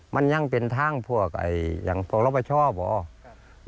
มันยังเป็นทางพวกอย่างพวกรับประชาบอ่ะ